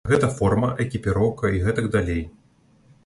Гэта форма, экіпіроўка і гэтак далей.